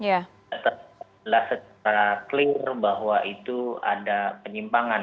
adalah secara clear bahwa itu ada penyimpangan